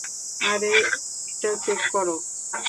আরে এটা চেক কর।